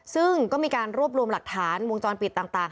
ซึ่งก็มีการรวบรวมหลักฐานวงจรปิดต่าง